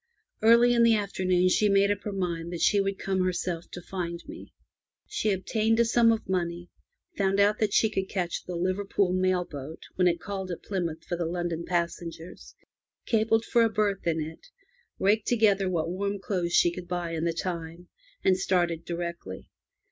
Early in the afternoon she made up her mind that she would come herself to find me. She obtained a sum of money, found out that she could catch the Liverpool mail boat when it called at Plymouth for the London passengers, telegraphed for a berth in it, raked together what warm clothes she could buy in the time, and started directly.